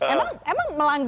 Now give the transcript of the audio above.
emang melanggar normalnya